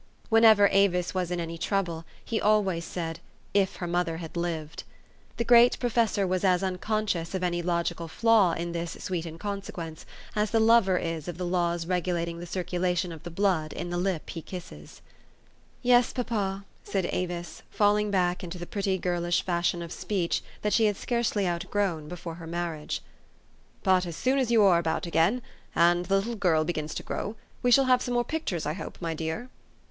Whenever Avis was in any trouble, he always said, "If her mother had lived " The great professor was as unconscious of any logical flaw in this sweet inconsequence, as the lover is of the laws regulating the circulation of the blood in the lip he kisses. THE STORY OF AVIS. 319 "Yes, papa,'* said Avis, falling back into the pretty girlish fashion of speech that she had scarcely outgrown before her marriage. "But as soon as you are about again and the little girl begins to grow, we shall have some more pictures I hope, my dear?